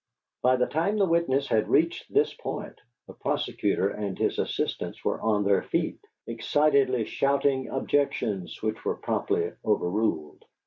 By the time the witness had reached this point, the Prosecutor and his assistants were on their feet, excitedly shouting objections, which were promptly overruled.